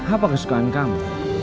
apa kesukaan kamu